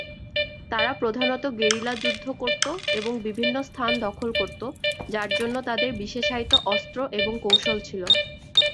তারা প্রধানত গেরিলা যুদ্ধ করতো এবং বিভিন্ন স্থান দখল করতো যার জন্য তাদের বিশেষায়িত অস্ত্র এবং কৌশল ছিলো।